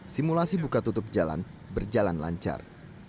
simulasi buka tutup jalan berjalan lancar